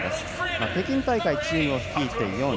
北京大会、チームを率いて４位。